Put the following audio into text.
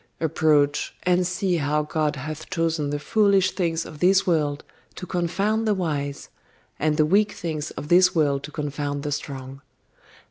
Approach, and see how God hath chosen the foolish things of this world to confound the wise, and the weak things of this world to confound the strong.